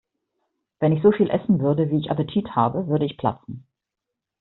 Wenn ich so viel essen würde, wie ich Appetit habe, würde ich platzen.